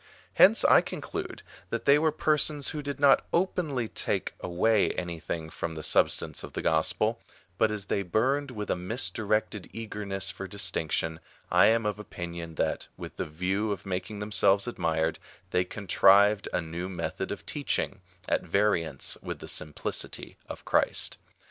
Hence I conclude that they were persons who did not openly take away any thing from the substance of the gospel, but, as they burned with a misdirected eagerness for distinction, I am of opinion that, with the view of making themselves admired, they contrived a new method of teaching, at variance with the simplicity of Christ.